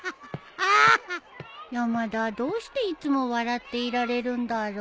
山田はどうしていつも笑っていられるんだろう。